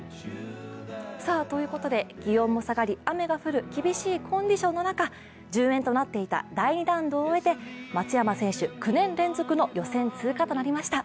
気温も下がり、雨が降る厳しいコンディションの中順延となっていた第２ラウンドを終えて、松山選手９年連続の予選通過となりました。